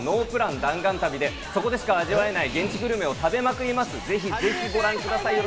弾丸旅で、そこでしか味わえない現地のグルメを食べまくります、ぜひご覧ください。